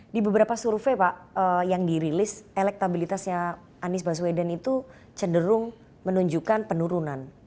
di beberapa survei pak yang dirilis elektabilitasnya anies baswedan itu cenderung menunjukkan penurunan